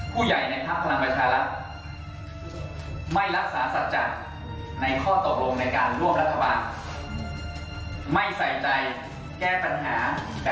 ผู้ใหญ่ในภาพพลังประชาลักษณ์ไม่รักษาสรรจในข้อตกลงในการร่วมรัฐบาล